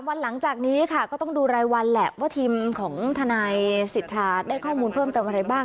วันหลังจากนี้ค่ะก็ต้องดูรายวันแหละว่าทีมของทนายสิทธาได้ข้อมูลเพิ่มเติมอะไรบ้าง